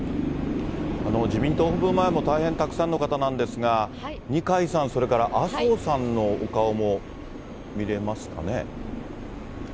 自民党本部前も大変たくさんの方なんですが、二階さん、それから麻生さんのお顔も見れますかね。